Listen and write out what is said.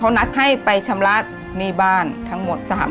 เขานัดให้ไปชำระหนีบ้านทั้งหมด๓๐๐๐๐บาท